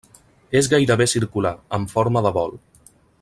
És gairebé circular, amb forma de bol.